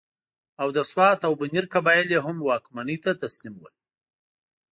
او د سوات او بنیر قبایل یې هم واکمنۍ ته تسلیم ول.